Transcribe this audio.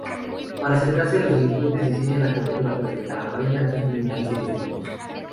Para acercarse a los delincuentes, diseñan la cobertura perfecta: aparentan ser criminales ellos mismos.